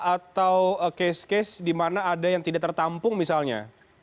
atau kes case di mana ada yang tidak tertampung misalnya